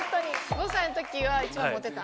５歳の時は一番モテた？